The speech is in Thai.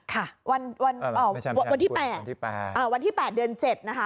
ค่ะวันที่๘วันที่๘เดือน๗นะคะ